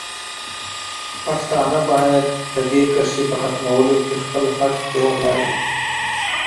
پښتانه باید د دې کرښې په ختمولو کې خپل حق وغواړي.